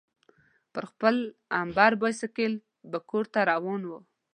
پر خپل امبر بایسکل به کورته روان وو.